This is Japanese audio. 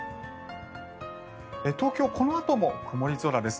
東京はこのあとも曇り空です。